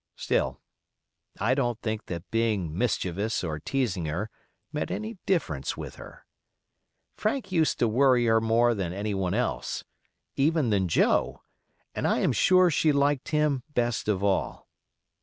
Still, I don't think that being mischievous or teasing her made any difference with her. Frank used to worry her more than any one else, even than Joe, and I am sure she liked him best of all.